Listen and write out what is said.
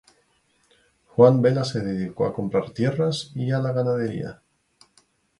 Juan Vela se dedicó a comprar tierras y a la ganadería.